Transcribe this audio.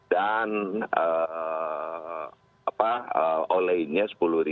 dan olainya sepuluh ribu tiga ratus